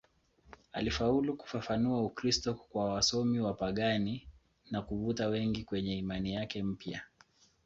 Alifaulu kufafanua Ukristo kwa wasomi wapagani na kuvuta wengi kwenye imani yake mpya.